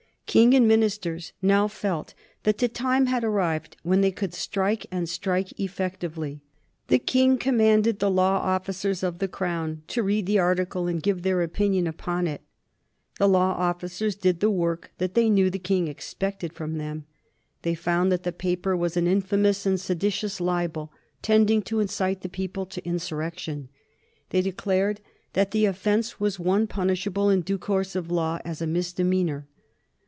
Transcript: King and ministers now felt that the time had arrived when they could strike, and strike effectively. The King commanded the law officers of the Crown to read the article and give their opinion upon it. The law officers did the work that they knew the King expected from them. They found that the paper was an infamous and seditious libel tending to incite the people to insurrection. They declared that the offence was one punishable in due course of law as a misdemeanor.